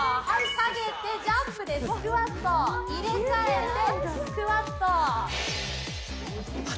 下げてジャンプでスクワット、入れ替えてスクワット。